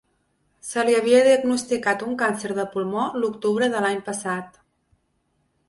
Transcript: Se li havia diagnosticat un càncer de pulmó l’octubre de l’any passat.